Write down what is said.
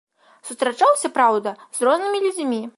Сустрачаўся, праўда, з рознымі людзьмі.